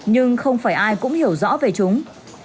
nhưng không phải ai cũng hiểu rõ về chúng